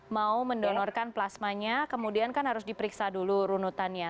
mau mendonorkan plasmanya kemudian kan harus diperiksa dulu runutannya